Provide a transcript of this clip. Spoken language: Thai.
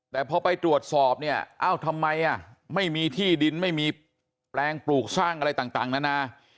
แต่พอไปตรวจสอบเนี่ยเอ้าทำไมไม่มีที่ดินไม่มีแปลงปลูกสร้างอะไรต่างนานา